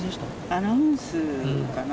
アナウンスかな？